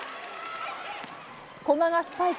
古賀がスパイク。